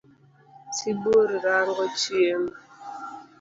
Sibuor rango chiemo.